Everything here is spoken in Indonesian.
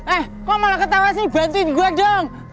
eh kok malah ketawa sih gantiin gue dong